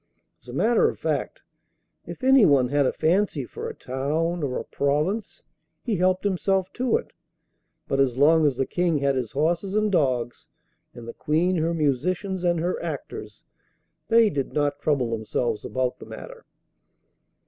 As a matter of fact, if anyone had a fancy for a town, or a province, he helped himself to it; but as long as the King had his horses and dogs, and the Queen her musicians and her actors, they did not trouble themselves about the matter.